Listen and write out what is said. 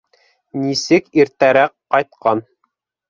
Нисек иртәрәк ҡайтҡан...